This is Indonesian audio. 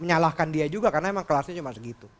menyalahkan dia juga karena emang kelasnya cuma segitu